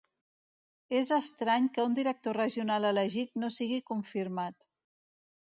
És estrany que un director regional elegit no sigui confirmat.